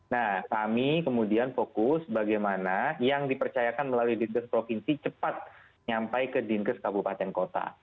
nah kami kemudian fokus bagaimana yang dipercayakan melalui di inkas provinsi cepat nyampai ke di inkas kabupaten kota